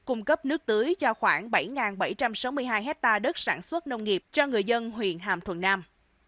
cung cấp nước tưới cho khoảng bảy bảy trăm sáu mươi hai hectare đất sản xuất nông nghiệp cho người dân huyện hàm thuận nam